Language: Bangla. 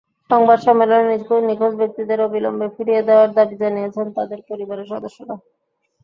সংবাদ সম্মেলনে নিখোঁজ ব্যক্তিদের অবিলম্বে ফিরিয়ে দেওয়ার দাবি জানিয়েছেন তাঁদের পরিবারের সদস্যরা।